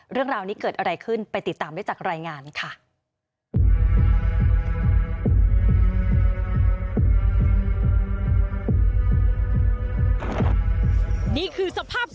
เรื่องราวนี้เกิดอะไรขึ้นไปติดตามได้จากรายงานค่ะ